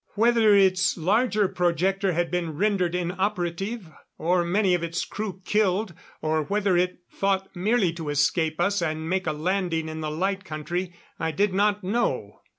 Whether its larger projector had been rendered inoperative, or many of its crew killed, or whether it thought merely to escape us and make a landing in the Light Country, I did not know.